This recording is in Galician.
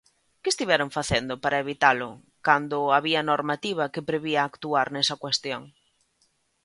¿Que estiveron facendo para evitalo cando había normativa que prevía actuar nesa cuestión?